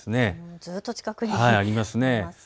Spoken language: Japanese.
ずっと近くにありますね。